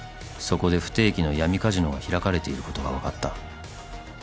そこで不定期の闇カジノが開かれていることが分かった］